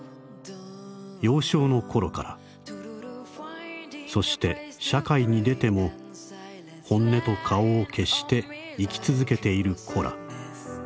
幼少の頃からそして社会に出ても本音と顔を消して生き続けている子ら。